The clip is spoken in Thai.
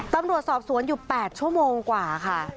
ตำรวจสอบสวนอยู่๘ชั่วโมงกว่าค่ะ